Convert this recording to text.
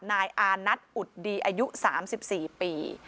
นายอานัทอุดดีอายุ๓๔ปี